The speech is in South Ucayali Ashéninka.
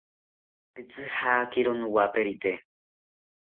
Pitzijakiro nowaperite